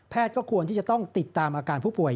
ก็ควรที่จะต้องติดตามอาการผู้ป่วย